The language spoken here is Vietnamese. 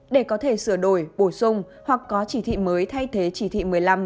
để có thể sửa đổi bổ sung hoặc có chỉ thị mới thay thế chỉ thị một mươi năm một mươi sáu